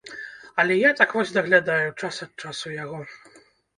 Але я так вось даглядаю час ад часу яго.